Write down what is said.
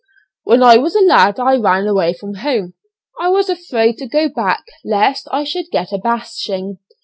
When I was a lad I ran away from home. I was afraid to go back, lest I should get a bashing.